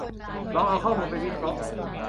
ลองเอาข้อมูลไปวิเคราะห์